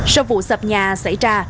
sau vụ sập nhà xảy ra